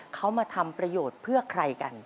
เขามาทำประโยชน์เพื่อใครกัน